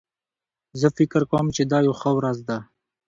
زه فکر کوم چې دا یو ښه ورځ ده